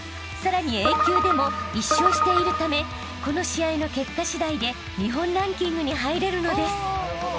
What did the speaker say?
［さらにＡ級でも１勝しているためこの試合の結果しだいで日本ランキングに入れるのです］